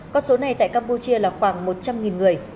con số này tại campuchia là khoảng một trăm linh người